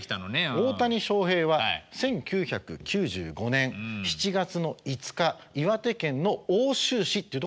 大谷翔平は１９９５年７月の５日岩手県の奥州市ってとこで生まれたんですね。